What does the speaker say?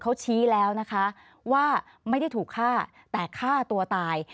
เขาชี้แล้วนะคะว่าไม่ได้ถูกฆ่าแต่ฆ่าตัวตาย